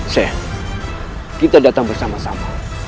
sehat kita datang bersama sama